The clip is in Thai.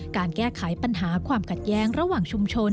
การแก้ไขปัญหาความขัดแย้งระหว่างชุมชน